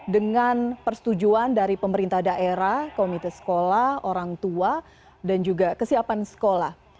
dengan persetujuan dari pemerintah daerah komite sekolah orang tua dan juga kesiapan sekolah